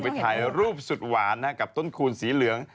นี่ไงนุ่มผ้าไทย